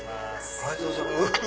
ありがとうございます。